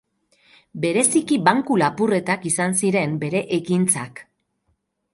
Bereziki banku lapurretak izan ziren bere ekintzak.